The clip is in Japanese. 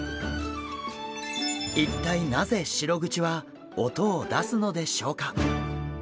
一体なぜシログチは音を出すのでしょうか。